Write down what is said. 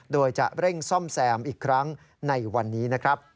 โดยจะเร่งซ่อมแซมอีกครั้งในวันนี้นะครับ